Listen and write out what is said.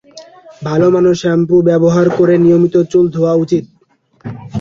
ভালো মানের শ্যাম্পু ব্যবহার করে নিয়মিত চুল ধোয়া উচিত।